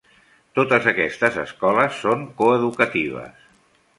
Totes aquestes escoles són coeducatives.